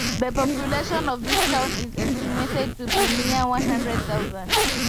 The population of this town is estimated to be near one hundred thousand.